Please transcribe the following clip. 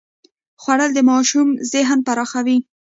خوړل د ماشوم ذهن پراخوي